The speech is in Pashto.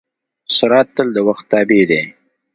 سرعت تل د وخت تابع دی.